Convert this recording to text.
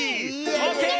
オーケー！